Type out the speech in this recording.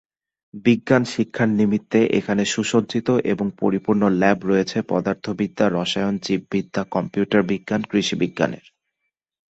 বিজ্ঞান শিক্ষার নিমিত্তে এখানে সুসজ্জিত এবং পরিপূর্ণ ল্যাব রয়েছে পদার্থ বিদ্যা, রসায়ন, জীব বিদ্যা, কম্পিউটার বিজ্ঞান, কৃষি বিজ্ঞানের।